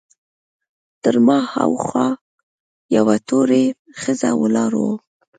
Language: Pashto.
تر ما هاخوا یوه تورۍ ښځه ولاړه وه.